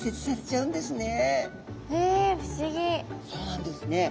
そうなんですね。